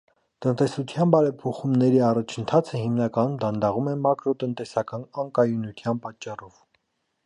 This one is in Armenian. Տնտեսության բարեփոխումների առաջընթացը հիմնականում դանդաղում է մակրոտնտեսական անկայունության պատճառով։